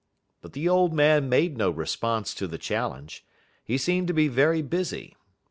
But the old man made no response to the challenge. He seemed to be very busy.